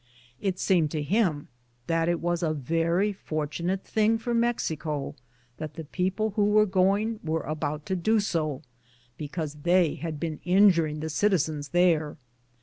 It seemed to him that it was a very fortunate thing for Mexico that the people who were going were about to do ao because they had been injuring the citizens there.